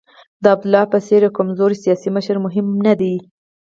د عبدالله په څېر یو کمزوری سیاسي مشر مهم نه دی.